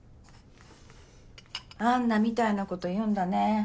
安奈みたいなこと言うんだね。